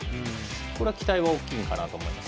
これは期待が大きいかなと思います。